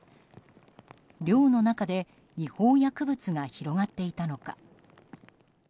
寮の中で違法薬物が広がっていたのか。